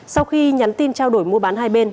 sau khi nhắn tin trao đổi mua bán hai bên